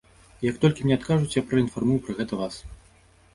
І як толькі мне адкажуць, я праінфармую пра гэта вас.